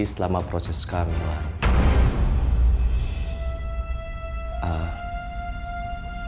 selama proses kamelan